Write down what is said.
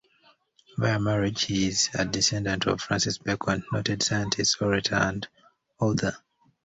Via marriage, he is a descendant of Francis Bacon, noted scientist, orator and author.